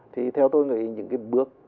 thì theo tôi nghĩ những bước